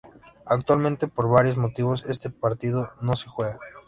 Actualmente por varios motivos este partido no se juega.